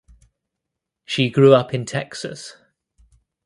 She grew up in Texas.